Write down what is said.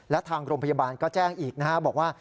และทางโรงพยาบาลก็แจ้งอีกนะครับบอกว่า